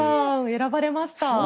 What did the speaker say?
選ばれました。